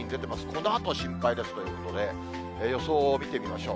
このあと心配ですということで、予想を見てみましょう。